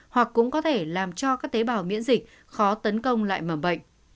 hoặc cũng có thể làm cho các tế bào miễn dịch khó tấn công lại mầm bệnh